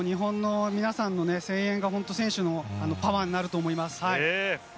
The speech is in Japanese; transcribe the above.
日本の皆さんにね、声援が本当、先取のパワーになると思います。